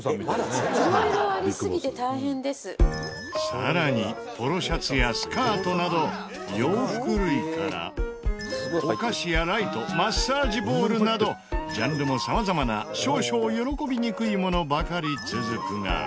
さらにポロシャツやスカートなど洋服類からお菓子やライトマッサージボールなどジャンルも様々な少々喜びにくいものばかり続くが。